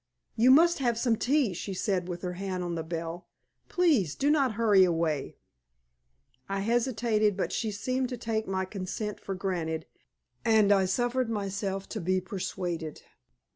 "You must have some tea," she said, with her hand on the bell. "Please do not hurry away." I hesitated, but she seemed to take my consent for granted, and I suffered myself to be persuaded.